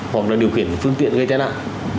hoặc là điều khiển phương tiện gây tai nạn